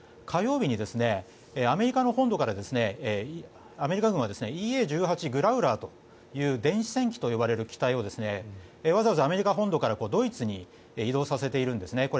火曜日にアメリカの本土からアメリカ軍はＥＡ１８グラウラーという電子戦機と呼ばれる機体をわざわざアメリカ本土からドイツに移動させているんですね。